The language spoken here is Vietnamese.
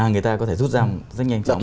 người ta có thể rút ra rất nhanh chóng